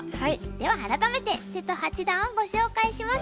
では改めて瀬戸八段をご紹介します。